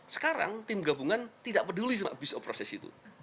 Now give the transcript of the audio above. sekarang tim gabungan tidak peduli sama abyss of process ini